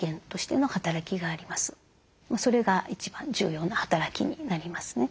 それが一番重要な働きになりますね。